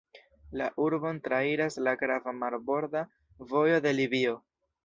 La urbon trairas la grava marborda vojo de Libio.